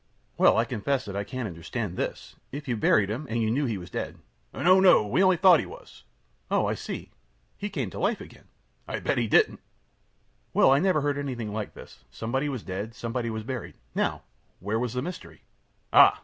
Q. Well, I confess that I can't understand this. If you buried him, and you knew he was dead. A. No! no! We only thought he was. Q. Oh, I see! He came to life again? A. I bet he didn't. Q. Well, I never heard anything like this. Somebody was dead. Somebody was buried. Now, where was the mystery? A. Ah!